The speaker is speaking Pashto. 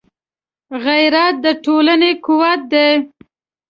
غیرت د ټولنې قوت دی